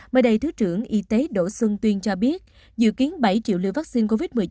mới đây thứ trưởng y tế đỗ xuân tuyên cho biết dự kiến bảy triệu liều vaccine covid một mươi chín